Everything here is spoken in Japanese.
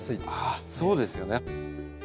ああそうですよね。